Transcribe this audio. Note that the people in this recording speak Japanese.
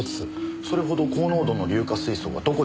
それほど高濃度の硫化水素がどこで発生したのか。